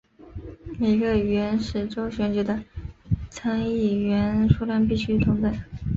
每个原始州选举的参议员数量必须同等。